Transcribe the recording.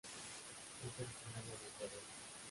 Es originaria de Ecuador.